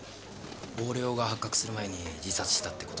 横領が発覚する前に自殺したって事ですかね？